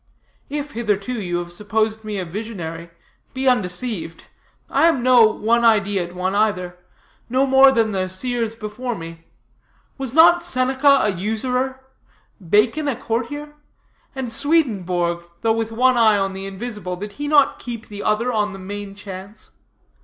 If, hitherto, you have supposed me a visionary, be undeceived. I am no one ideaed one, either; no more than the seers before me. Was not Seneca a usurer? Bacon a courtier? and Swedenborg, though with one eye on the invisible, did he not keep the other on the main chance?